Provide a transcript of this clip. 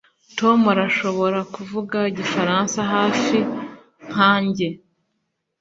Tom arashobora kuvuga igifaransa hafi nkanjye